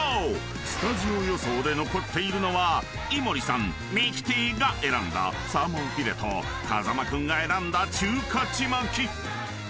スタジオ予想で残っているのは井森さんミキティが選んだサーモンフィレと風間君が選んだ中華ちまき］